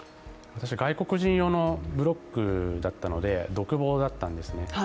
私は外国人用のブロックだったので独房だったんですね。